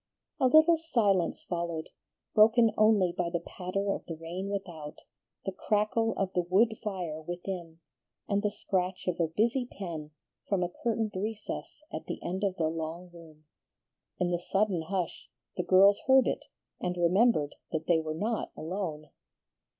A little silence followed, broken only by the patter of the rain without, the crackle of the wood fire within, and the scratch of a busy pen from a curtained recess at the end of the long room. In the sudden hush the girls heard it and remembered that they were not alone.